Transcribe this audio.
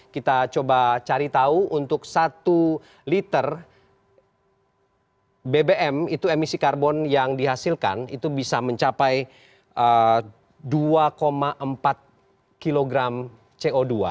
kita coba cari tahu untuk satu liter bbm itu emisi karbon yang dihasilkan itu bisa mencapai dua empat kg co dua